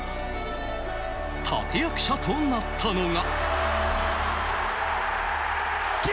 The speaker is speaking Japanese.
立役者となったのが。